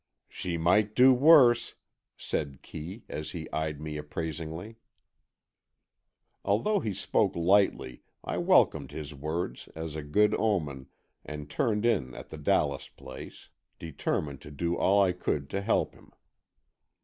"She might do worse," said Kee, as he eyed me appraisingly. Although he spoke lightly I welcomed his words as a good omen and turned in at the Dallas place, determined to do all I could to help him.